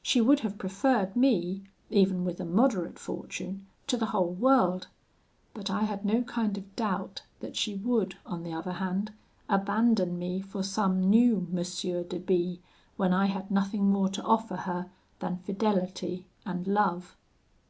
She would have preferred me, even with a moderate fortune, to the whole world; but I had no kind of doubt that she would, on the other hand, abandon me for some new M. de B , when I had nothing more to offer her than fidelity and love.